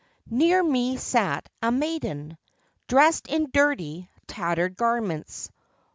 Near me sat a maiden, Dressed in dirty, tattered garments.